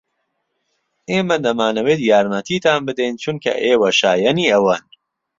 ئێمە دەمانەوێت یارمەتیتان بدەین چونکە ئێوە شایەنی ئەوەن.